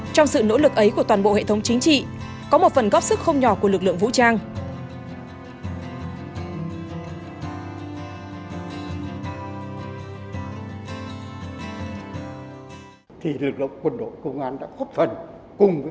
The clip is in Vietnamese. trong sự nỗ lực ấy của toàn bộ hệ thống chính trị